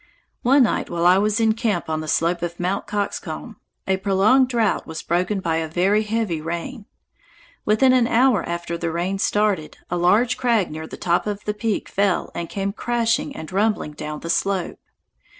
One night, while I was in camp on the slope of Mt. Coxcomb, a prolonged drought was broken by a very heavy rain. Within an hour after the rain started, a large crag near the top of the peak fell and came crashing and rumbling down the slope.